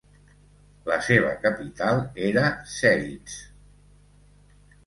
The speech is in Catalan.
La seva capital era Zeitz.